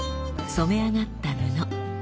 染め上がった布。